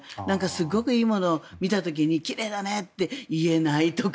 すごくいいものを見た時に奇麗だねとか言えないとか。